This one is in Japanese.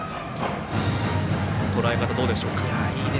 とらえ方、どうでしょうか？